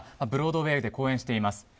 ブロードウェーで公演しています。